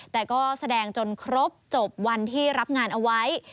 แต่ก็แสดงจนครบจบวันที่รับงานเอาไว้